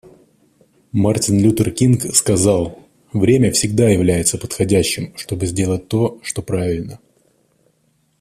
Мартин Лютер Кинг сказал: «Время всегда является подходящим, чтобы сделать то, что правильно».